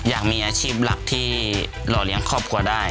อยากมีอาชีพหลักที่หล่อเลี้ยงครอบครัวได้